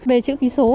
về chữ ký số